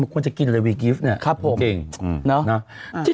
มันควรจะกินอะไรวีกิฟต์เนี่ยจริงเนอะ